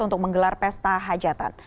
untuk menggelar pesta hajatan